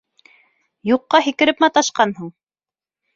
Юҡҡа һикереп маташҡанһың.